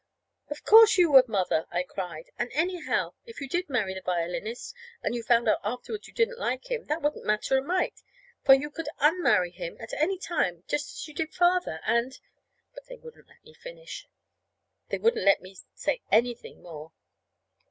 "Of course, you would, Mother!" I cried. "And, anyhow, if you did marry the violinist, and you found out afterward you didn't like him, that wouldn't matter a mite, for you could _un_marry him at any time, just as you did Father, and " But they wouldn't let me finish. They wouldn't let me say anything more.